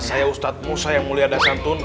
saya ustadz musa yang mulia dan santun